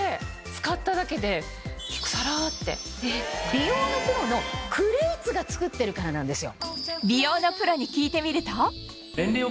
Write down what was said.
美容のプロのクレイツが作ってるからなんですよ。